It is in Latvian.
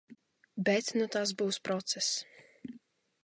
Bet nu tas būs process.